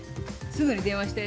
「すぐに電話して」